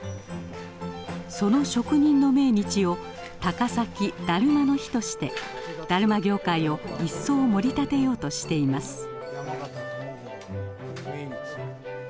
その職人の命日を「高崎だるまの日」としてだるま業界を一層もり立てようとしています。